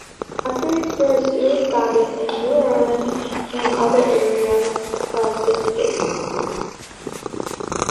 Chapters were soon founded in New Orleans and other areas of the state.